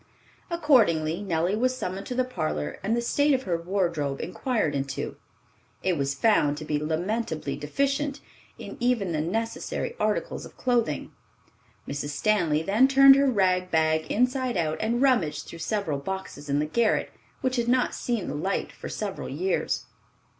Accordingly, Nellie was summoned to the parlor and the state of her wardrobe inquired into. It was found to be lamentably deficient in even the necessary articles of clothing. Mrs. Stanley then turned her rag bag inside out and rummaged through several boxes in the garret which had not seen the light for several years.